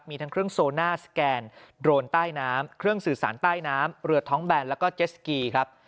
มีทั้งเครื่องโซน่าสแกนโดรนใต้น้ำเครื่องสื่อสารใต้น้ำเรือท้องแบนแล้วก็เจสกีครับ